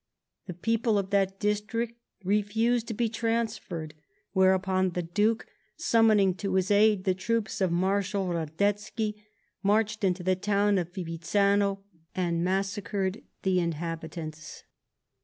The people of that district refused to be transferred ; whereopon the Duke, summoning to his aid the troops of jMarshal Radetzky, marched into the town of Fivizzano and massacred the inhabitants.